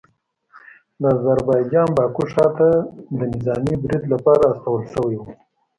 د اذربایجان باکو ښار ته د نظامي پریډ لپاره استول شوي وو